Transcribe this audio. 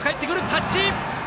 タッチ！